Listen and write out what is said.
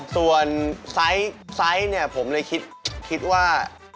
ส่วนไซส์ผมเลยคิดว่า